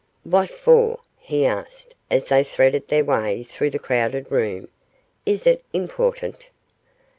'What for?' he asked, as they threaded their way through the crowded room. 'Is it important?